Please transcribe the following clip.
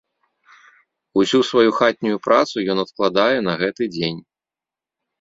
Усю сваю хатнюю працу ён адкладае на гэты дзень.